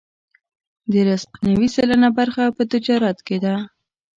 د رزق نوې سلنه برخه په تجارت کې ده.